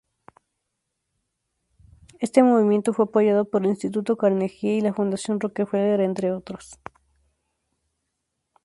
Este movimiento fue apoyado por el Instituto Carnegie y la Fundación Rockefeller entre otros.